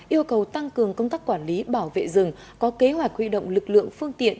yêu cầu tăng cường công tác quản lý bảo vệ rừng có kế hoạch huy động lực lượng phương tiện